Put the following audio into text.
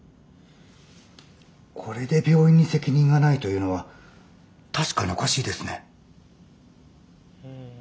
これで病院に責任がないというのは確かにおかしいですね。